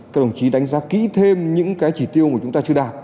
các đồng chí đánh giá kỹ thêm những cái chỉ tiêu mà chúng ta chưa đạt